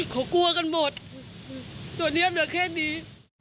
เขากลัวกันหมดตัวเนียมเหลือแค่นี้